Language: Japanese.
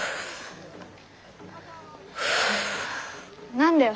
何だよ？